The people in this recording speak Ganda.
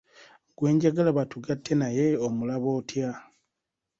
Gwe njagala batugatte naye omulaba otya.